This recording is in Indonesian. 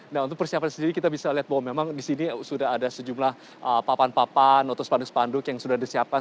nah untuk persiapan sendiri kita bisa lihat bahwa memang di sini sudah ada sejumlah papan papan atau spanduk spanduk yang sudah disiapkan